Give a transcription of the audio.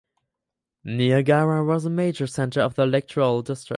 Niagara was the major centre of the electoral district.